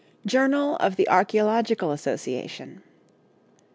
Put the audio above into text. _Journal of the Archæological Association.